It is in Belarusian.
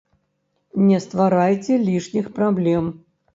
Не стварайце лішніх праблем.